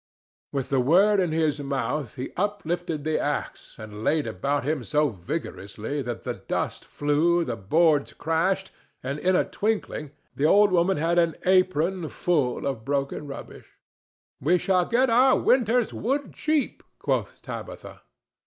With the word in his mouth, he uplifted the axe, and laid about him so vigorously that the dust flew, the boards crashed, and in a twinkling the old woman had an apron full of broken rubbish. "We shall get our winter's wood cheap," quoth Tabitha.